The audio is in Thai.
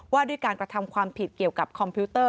ว่าด้วยการกระทำความผิดเกี่ยวกับคอมพิวเตอร์